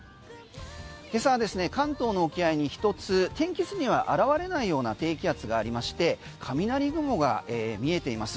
今朝ですね、関東の沖合に１つ天気図には現れないような低気圧がありまして雷雲が見えています。